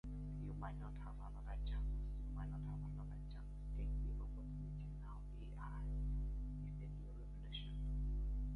Huerta's supporters were known as "Huertistas" during the Mexican Revolution.